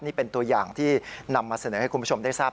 นี่เป็นตัวอย่างที่นำมาเสนอให้คุณผู้ชมได้ทราบ